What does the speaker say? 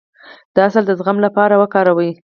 د عسل د زخم لپاره وکاروئ